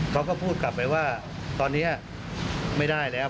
เขาก็พูดกลับไปว่าตอนนี้ไม่ได้แล้ว